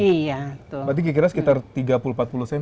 iya berarti kira kira sekitar tiga puluh empat puluh cm ya mak bule